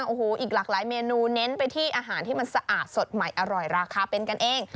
โอ้โหอีกหลากหลายเมนูเน้นไปที่อาหารที่มันสะอาดสดใหม่อร่อยราคาเป็นกันเอง